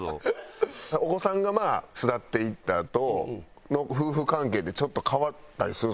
お子さんが巣立っていったあとの夫婦関係ってちょっと変わったりする？